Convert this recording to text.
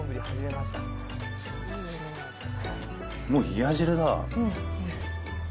もう冷や汁だ。